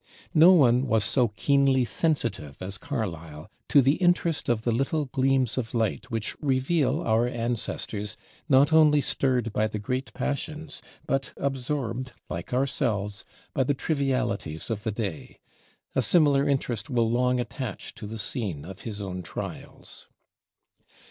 No one was so keenly sensitive as Carlyle to the interest of the little gleams of light which reveal our ancestors not only stirred by the great passions, but absorbed like ourselves by the trivialities of the day. A similar interest will long attach to the scene of his own trials.